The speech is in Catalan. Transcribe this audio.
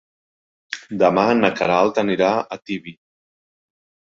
Demà na Queralt anirà a Tibi.